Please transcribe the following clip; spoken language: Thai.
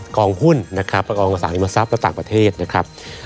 กองหุ้นประกอบอังกษานิมสรรพ์และต่างประเทศนะครับ